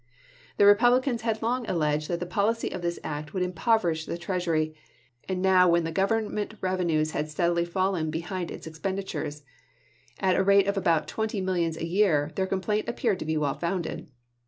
The Re publicans had long alleged that the policy of this act would impoverish the treasury, and now when the "Government revenues had steadily fallen be hind its expenditures, at the rate of about twenty millions a year, their complaint appeared to be well founded.